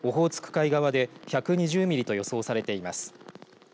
海側で１２０ミリと予想されています。